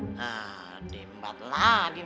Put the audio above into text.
nahh diembat lagi